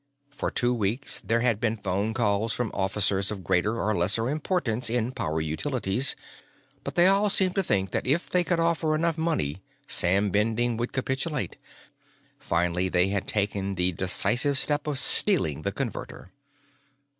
For two weeks, there had been phone calls from officers of greater or lesser importance in Power Utilities, but they all seemed to think that if they could offer enough money, Sam Bending would capitulate. Finally, they had taken the decisive step of stealing the Converter.